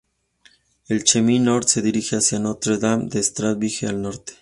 El chemin North se dirige hacia Notre-Dame-de-Stanbridge al norte.